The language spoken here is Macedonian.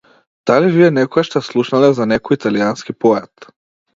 Дали вие некогаш сте слушнале за некој италијански поет?